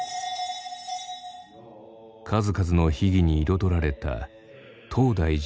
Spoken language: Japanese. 数々の秘儀に彩られた東大寺修二会。